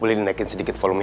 boleh dinaikin sedikit volume